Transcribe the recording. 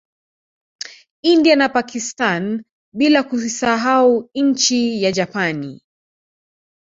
India na Pakstani bila kuisahau nchi ya Japani